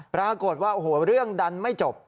บรรทักษณ์ว่าเรื่องดันไม่จบ